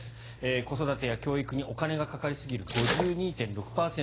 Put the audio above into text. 子育てや教育にお金がかかりすぎる５２．６％。